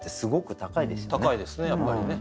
高いですねやっぱりね。